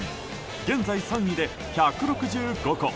現在３位で、１６５個。